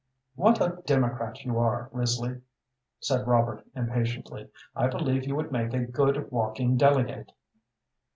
"What a democrat you are, Risley!" said Robert, impatiently. "I believe you would make a good walking delegate."